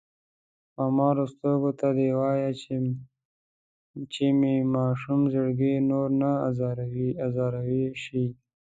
خمارو سترګو ته دې وايه چې مې ماشوم زړګی نور نه ازاروينه شي